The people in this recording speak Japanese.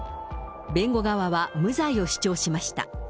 弁護側は無罪を主張しました。